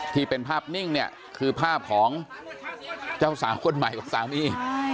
ที่เป็นภาพนิ่งเนี่ยคือภาพของเจ้าสาวคนใหม่กับสามี